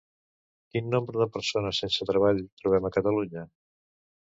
Quin nombre de persones sense treball trobem a Catalunya?